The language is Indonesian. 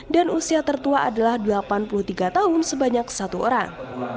dan usia tertua adalah delapan puluh tiga tahun sebanyak satu orang